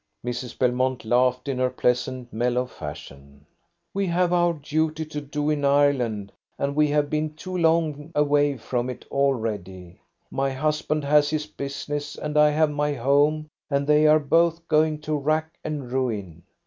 Mrs. Belmont laughed, in her pleasant, mellow fashion. "We have our duty to do in Ireland, and we have been too long away from it already. My husband has his business, and I have my home, and they are both going to rack and ruin.